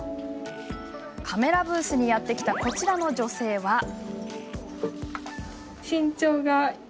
カメラブースにやって来たこちらの女性は。